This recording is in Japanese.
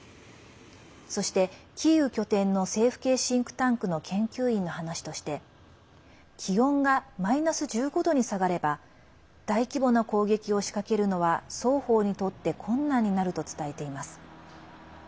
そして、キーウ拠点の政府系シンクタンクの研究員の話として気温がマイナス１５度に下がれば大規模な攻撃を仕掛けるのは双方にとって困難になると伝えています。